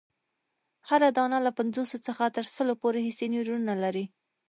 هره دانه له پنځوسو څخه تر سلو پوري حسي نیورونونه لري.